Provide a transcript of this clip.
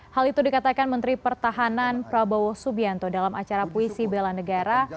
hal itu dikatakan menteri pertahanan prabowo subianto dalam acara puisi bela negara